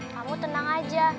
kamu tenang aja